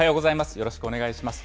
よろしくお願いします。